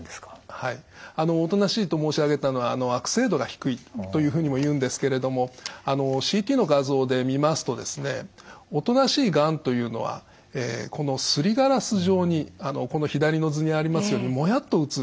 はいおとなしいと申し上げたのは悪性度が低いというふうにもいうんですけれどもＣＴの画像で見ますとですねおとなしいがんというのはこのすりガラス状にこの左の図にありますようにもやっと写る。